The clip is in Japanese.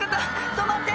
止まって！